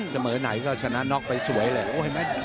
เสมอใหนก็ชนะน็อกเป็นสวยแล้ว